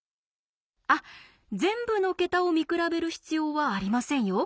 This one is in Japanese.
あっ全部の桁を見比べる必要はありませんよ。